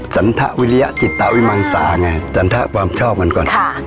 สันทวิริยจิตวิมังสาไงจันทะความชอบมันก่อน